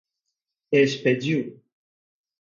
expediu